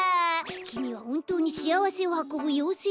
きみはほんとうにしあわせをはこぶようせいなの？